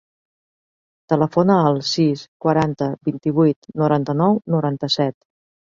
Telefona al sis, quaranta, vint-i-vuit, noranta-nou, noranta-set.